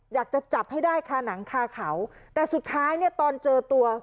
อยากจะจับให้ได้คาหนังคาเขาแต่สุดท้ายเนี่ยตอนเจอตัว